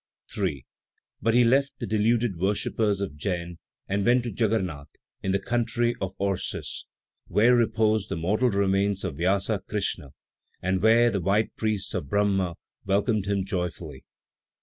3. But he left the deluded worshippers of Djaïne and went to Djagguernat, in the country of Orsis, where repose the mortal remains of Vyassa Krishna, and where the white priests of Brahma welcomed him joyfully.